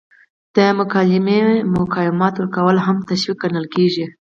د مالي مکافاتو ورکول هم تشویق ګڼل کیږي.